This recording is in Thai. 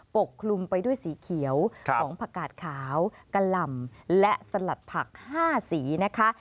ปกคลุมไปด้วยสีเขียวของผักกาดขาวกะหล่ำและสลัดผัก๕สีนะคะ